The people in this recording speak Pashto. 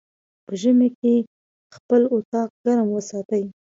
په ژمی کی خپل اطاق ګرم وساتی